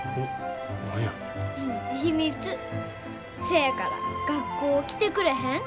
せやから学校来てくれへん？